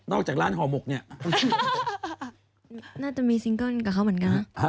จากร้านห่อหมกเนี่ยน่าจะมีซิงเกิ้ลกับเขาเหมือนกัน